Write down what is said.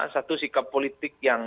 satu sikap politik yang